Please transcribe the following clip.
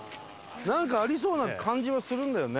なんかありそうな感じはするんだよね。